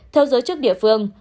theo giới chức địa phương